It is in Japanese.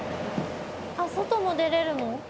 あっ外も出れるの？